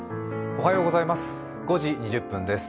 おはようございます。